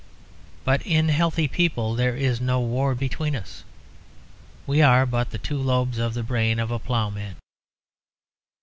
But in healthy people there is no war between us. We are but the two lobes of the brain of a ploughman.